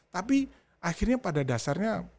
tapi akhirnya pada dasarnya